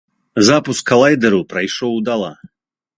Запуск калайдэру прайшоў удала.